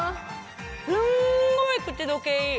すんごい口溶けいい。